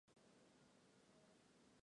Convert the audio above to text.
血见愁为唇形科香科科属下的一个种。